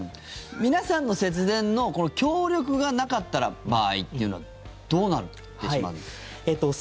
皆さんの節電の協力がなかった場合というのはどうなってしまうんですか。